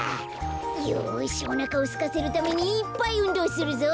よしおなかをすかせるためにいっぱいうんどうするぞ。